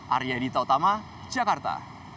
arya dita utama jakarta